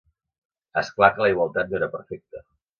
És clar que la igualtat no era perfecta